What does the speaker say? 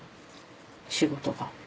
仕事が。